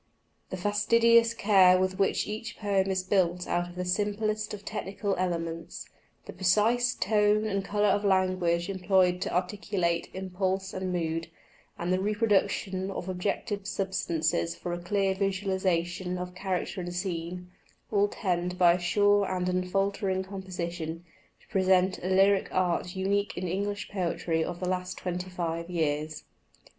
The fastidious care with which each poem is built out of the simplest of technical elements, the precise tone and color of language employed to articulate impulse and mood, and the reproduction of objective substances for a clear visualization of character and scene, all tend by a sure and unfaltering composition, to present a lyric art unique in English poetry of the last twenty five years.